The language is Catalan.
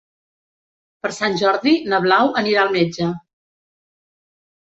Per Sant Jordi na Blau anirà al metge.